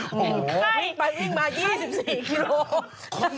วิ่งไปวิ่งมา๒๔กิโลกรัม